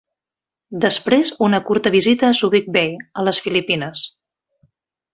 Després una curta visita a Subic Bay, a les Filipines.